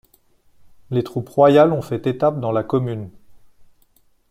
Les troupes royales ont fait étape dans la commune.